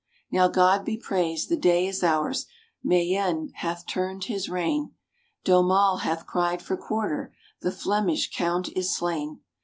Now, God be praised, the day is ours. Mayenne hath turned his rein; D'Aumale hath cried for quarter; the Flemish count is slain.